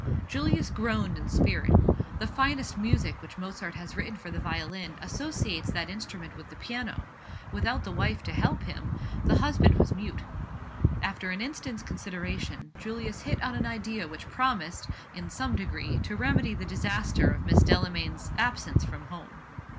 Julius groaned in spirit. The finest music which Mozart has written for the violin associates that instrument with the piano. Without the wife to help him, the husband was mute. After an instant's consideration, Julius hit on an idea which promised, in some degree, to remedy the disaster of Mrs. Delamayn's absence from home.